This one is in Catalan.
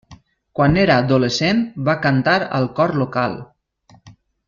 Quan era adolescent va cantar al cor local.